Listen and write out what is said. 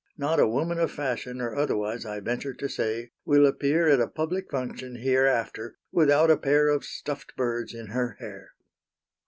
Not a woman of fashion, or otherwise, I venture to say, will appear at a public function here after without a pair of stuffed birds in her hair."